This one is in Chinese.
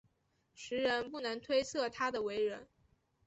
时人不能推测他的为人。